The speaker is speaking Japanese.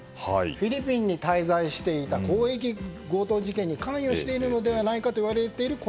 フィリピンに滞在していた広域強盗事件に関与していたのではないかといわれている